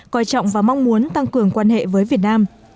coi trọng và mong muốn tăng cường quan hệ với việt nam